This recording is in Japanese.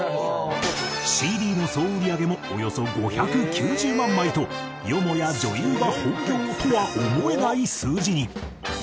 ＣＤの総売上もおよそ５９０万枚とよもや女優が本業とは思えない数字に。